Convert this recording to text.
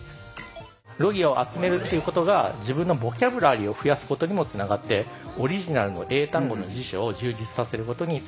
ロギアを集めるっていうことが自分のボキャブラリーを増やすことにもつながってオリジナルの英単語の辞書を充実させることにつながります。